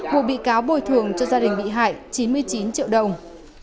buộc bị cáo bồi thường cho gia đình bị hại chín mươi chín triệu đồng